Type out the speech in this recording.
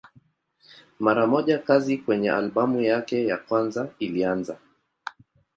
Mara moja kazi kwenye albamu yake ya kwanza ilianza.